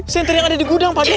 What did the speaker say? senter yang ada di gudang pak deh